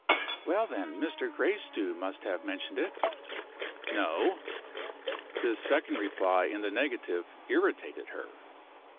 "Well, then, Mr. Gracedieu must have mentioned it?" "No." This second reply in the negative irritated her.